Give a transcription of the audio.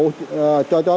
cho các doanh nghiệp